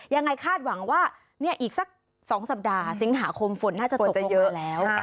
ยังไงคาดหวังว่าเนี่ยอีกสัก๒สัปดาห์สิงหาคมฝนน่าจะสกลงมาแล้ว